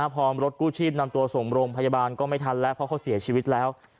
พร้อมรถกู้ชีพนำตัวส่งโรงพยาบาลก็ไม่ทันแล้วเพราะเขาเสียชีวิตแล้ว